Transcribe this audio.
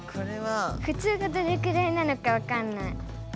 ふつうがどれくらいなのかわかんない。